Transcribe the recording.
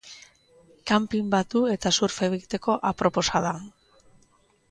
Kanpin bat du eta surf egiteko aproposa da.